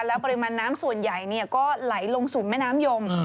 แล้วปริมาณน้ำส่วนใหญ่ก็ไหลลงสู่แม่น้ำยม